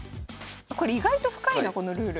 これ意外と深いなこのルール。